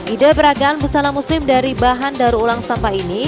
ide peragaan busana muslim dari bahan daur ulang sampah ini